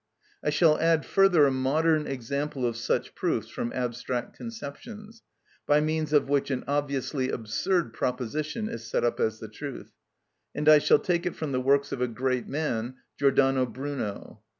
I shall add further a modern example of such proofs from abstract conceptions, by means of which an obviously absurd proposition is set up as the truth, and I shall take it from the works of a great man, Giordano Bruno.